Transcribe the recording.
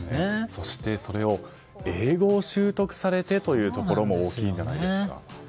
そして、それを英語を習得されてというところも大きいんじゃないですか。